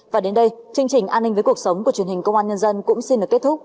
và đến đây chương trình an ninh với cuộc sống của truyền hình công an nhân dân cũng xin được kết thúc